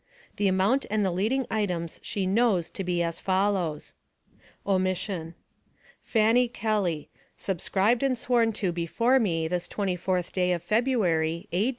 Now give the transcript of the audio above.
The amount and the leading items she knows to be as follows :### FANNY KELLY Subscribed and sworn to before me, this 24th day of February, A.